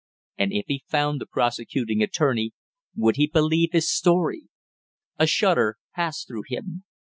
And if he found the prosecuting attorney, would he believe his story? A shudder passed through him.